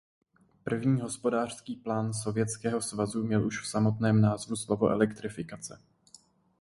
První hospodářský plán Sovětského svazu měl už v samotném názvu slovo elektrifikace.